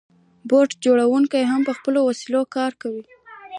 بوټ جوړونکو هم په خپلو وسایلو کار کاوه.